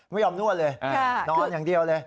นวดเลยนอนอย่างเดียวเลย